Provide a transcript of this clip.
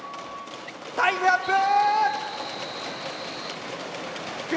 タイムアップ！